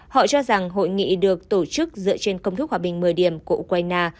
họ cho rằng hội nghị được tổ chức dựa trên công thức hòa bình mời điểm của ukraine